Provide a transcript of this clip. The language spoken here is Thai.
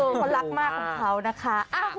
เขารักมากของเขานะคะ